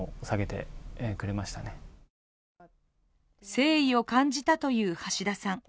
誠意を感じたという橋田さん。